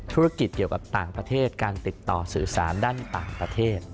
ธุรกิจเกี่ยวกับต่างประเทศการติดต่อสื่อสารด้านต่างประเทศ